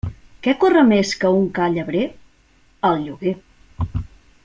Què corre més que un ca llebrer? El lloguer.